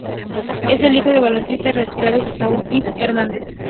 Es el hijo de baloncestista retirado Gustavo Ismael Fernández.